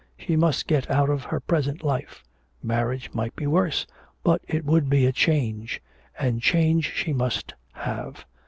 She must get out of her present life; marriage might be worse, but it would be a change, and change she must have.